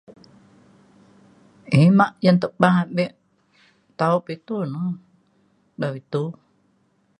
ima jan teba abe taup itou ne dau itou